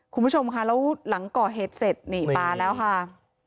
คุณผู้ชมค่ะแล้วหลังก่อเหตุเสร็จนี่มาแล้วค่ะ